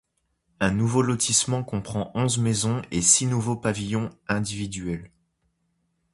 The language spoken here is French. Un nouveau lotissement comprend onze maisons et six nouveaux pavillons individuels.